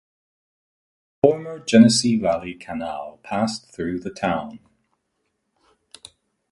The former Genesee Valley Canal passed through the town.